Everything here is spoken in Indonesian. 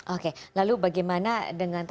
oke lalu bagaimana